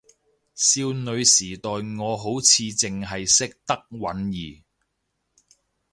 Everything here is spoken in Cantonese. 少女時代我好似淨係認得允兒